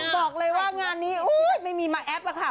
บอกเลยว่างานนี้ไม่มีมาแอปอะค่ะ